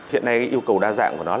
hiện nay yêu cầu đa dạng của nó